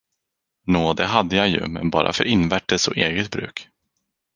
Nå det hade jag ju, men bara för invärtes och eget bruk.